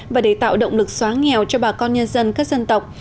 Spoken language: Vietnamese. và để tạo động lực xóa nghèo cho bà con nhân dân các dân tộc